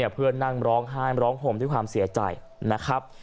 เพื่อนนั่งร้องไห้ร้องห่มด้วยความเสียใจนะครับ